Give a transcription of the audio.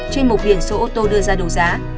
trên một biển số ô tô đưa ra đấu giá